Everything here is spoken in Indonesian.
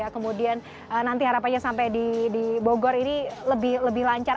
kemudian nanti harapannya sampai di bogor ini lebih lancar